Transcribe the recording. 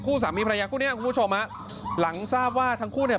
สามีภรรยาคู่เนี้ยคุณผู้ชมฮะหลังทราบว่าทั้งคู่เนี่ย